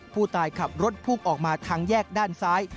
ผู้ตายขับรถพุ่งออกมาทางแยกด้านซ้าย